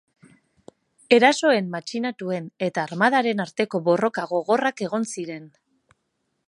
Erasoen matxinatuen eta armadaren arteko borroka gogorrak egon ziren.